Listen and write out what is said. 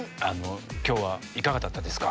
今日はいかがだったですか？